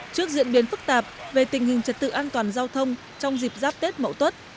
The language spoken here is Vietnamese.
trước diễn biến phức tạp về tình hình trật tự an toàn giao thông trong dịp giáp tết mậu tuất